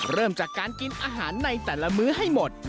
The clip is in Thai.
เริ่มจากการกินอาหารในแต่ละมื้อให้หมด